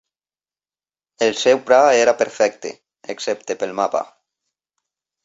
El seu pla era perfecte, excepte pel mapa.